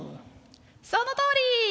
そのとおり！